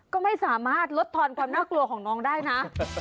ก็ไม่สามารถลดทอนความน่ากลัวของน้องได้นะ